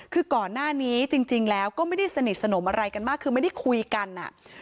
คือก่อนหน้านี้จริงแล้วก็ไม่ได้สนิทสนมอะไรกันมากคือไม่ได้คุยกันอ่ะ